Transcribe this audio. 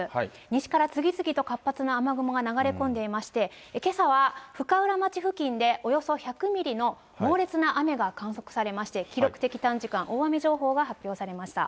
西から次々と活発な雨雲が流れ込んでいまして、けさは深浦町付近でおよそ１００ミリの猛烈な雨が観測されまして、記録的短時間大雨情報が発表されました。